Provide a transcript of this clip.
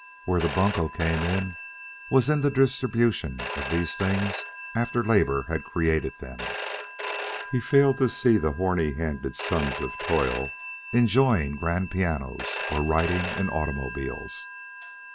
Where the bunco came in was in the distribution of these things after labor had created them. He failed to see the horny handed sons of toil enjoying grand pianos or riding in automobiles.